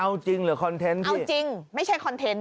เอาจริงหรือคอนเทนต์เอาจริงไม่ใช่คอนเทนต์